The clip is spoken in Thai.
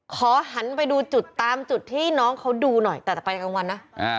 หันไปดูจุดตามจุดที่น้องเขาดูหน่อยแต่จะไปกลางวันนะ